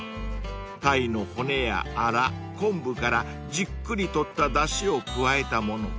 ［タイの骨やあらコンブからじっくりとっただしを加えたもの］